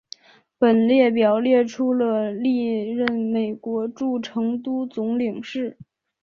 本列表列出了历任美国驻成都总领事。